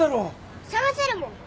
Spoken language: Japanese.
捜せるもん。